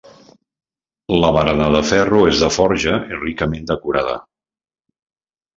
La barana de ferro és de forja i ricament decorada.